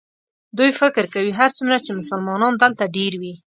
دوی فکر کوي هرڅومره چې مسلمانان دلته ډېر وي.